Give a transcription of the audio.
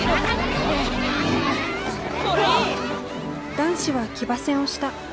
男子は騎馬戦をした。